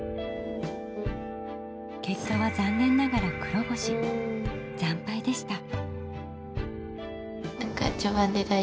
結果は残念ながら黒星惨敗でした。